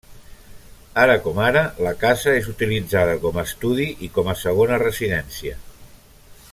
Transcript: Ara com ara la casa és utilitzada com a estudi i com a segona residència.